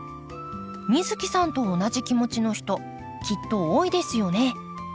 美月さんと同じ気持ちの人きっと多いですよね。